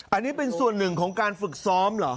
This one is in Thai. อันนี้เป็นส่วนหนึ่งของการฝึกซ้อมเหรอ